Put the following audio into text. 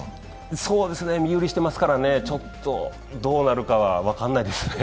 そうですね、身売りしてますから、ちょっとどうなるかは分からないですね。